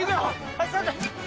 はい座って。